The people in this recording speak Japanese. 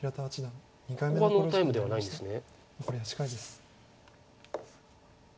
ここはノータイムではないんですね。